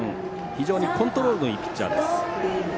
非常にコントロールのいいピッチャーです。